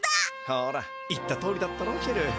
ほら言ったとおりだったろチェル。